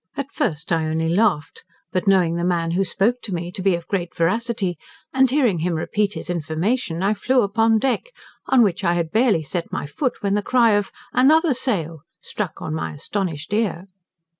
At first I only laughed, but knowing the man who spoke to me to be of great veracity, and hearing him repeat his information, I flew upon deck, on which I had barely set my foot, when the cry of "another sail" struck on my astonished ear.